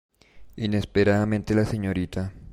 Inesperadamente la Srta.